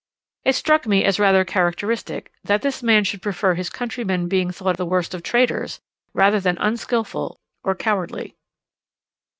It struck me as rather characteristic, that this man should prefer his countrymen being thought the worst of traitors, rather than unskilful or cowardly.